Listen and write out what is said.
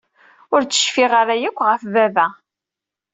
Ur d-cfiɣ ara yakk ɣef baba.